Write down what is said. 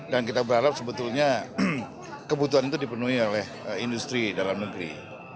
dan kita berharap sebetulnya kebutuhan itu dipenuhi oleh industri dalam negeri